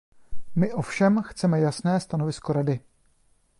My ovšem chceme jasné stanovisko Rady.